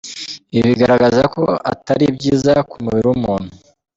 Ibi bigaragaza ko atari byiza ku mubiri w’umuntu.